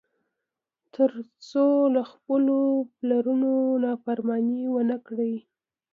تر څو له خپلو پلرونو نافرماني ونه کړي.